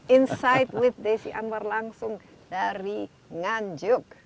insight with desi anwar langsung dari nganjuk